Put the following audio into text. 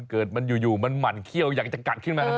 เกิดมันอยู่มันหมั่นเขี้ยวอยากจะกัดขึ้นมา